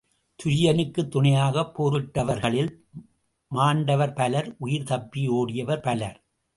துரியனுக்குத் துணையாகப் போரிட்டவர்களில் மாண்டவர் பலர் உயிர் தப்பி ஓடியவர் பலர்.